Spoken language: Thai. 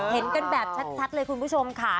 เห็นกันแบบชัดเลยคุณผู้ชมค่ะ